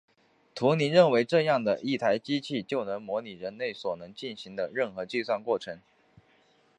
图灵认为这样的一台机器就能模拟人类所能进行的任何计算过程。